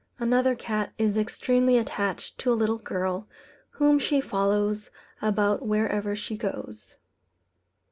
Another cat is extremely attached to a little girl, whom she follows about wherever she goes.